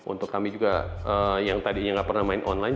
untuk kami juga yang tadinya nggak pernah main online